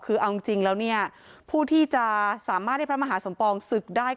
คือเอาจริงแล้วเนี่ยผู้ที่จะสามารถให้พระมหาสมปองศึกได้